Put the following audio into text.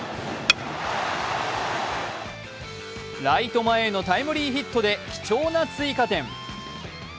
ライト前へのタイムリーヒットで貴重な追加点